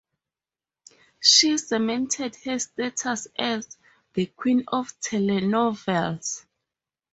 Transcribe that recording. She cemented her status as "the Queen of Telenovelas".